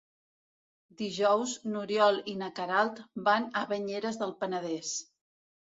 Dijous n'Oriol i na Queralt van a Banyeres del Penedès.